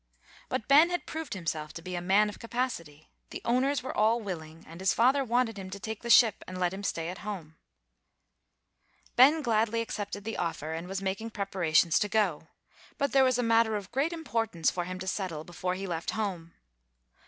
But Ben had proved himself to be a man of capacity. The owners were all willing, and his father wanted him to take the ship and let him stay at home. Ben gladly accepted the offer, and was making preparations to go; but there was a matter of great importance for him to settle, before he left home.